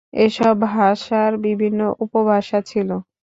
এসব ভাষার বিভিন্ন উপভাষা ছিল।